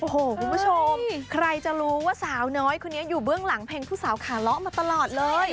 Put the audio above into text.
โอ้โหคุณผู้ชมใครจะรู้ว่าสาวน้อยคนนี้อยู่เบื้องหลังเพลงผู้สาวขาเลาะมาตลอดเลย